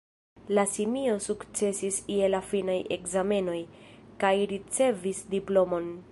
La simio sukcesis je la finaj ekzamenoj, kaj ricevis diplomon.